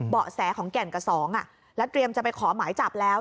เบาะแสของแก่นกับ๒และเตรียมจะไปขอหมายจับแล้ว